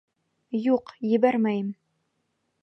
Юҡ, ебәрмәйем!